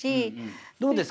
どうですか？